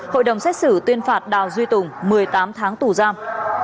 hội đồng xét xử tuyên phạt đào duy tùng một mươi tám tháng tù giam